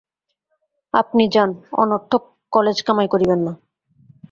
আপনি যান–অনর্থক কালেজ কামাই করিবেন না।